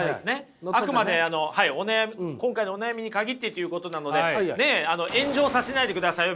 あくまであの今回のお悩みに限ってということなのでねえ炎上させないでくださいよ